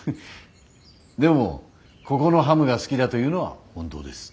でもここのハムが好きだというのは本当です。